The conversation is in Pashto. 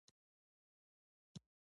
فرګوسن وویل: تاسي دواړه یو شان یاست.